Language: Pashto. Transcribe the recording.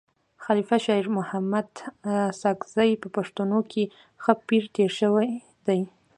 خلیفه شیرمحمد ساکزی په پښتنو کي ښه پير تير سوی دی.